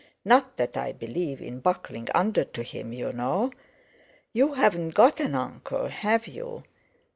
Not that I believe in buckling under to him, you know. You haven't got an uncle, have you?